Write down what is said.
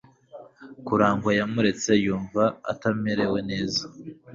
Karangwa yaramuretse, yumva atamerewe neza.